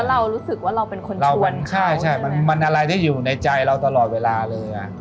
เรารู้สึกว่าเราเป็นคนชวนใช่ใช่มันมันอะไรที่อยู่ในใจเราตลอดเวลาเลยอ่ะ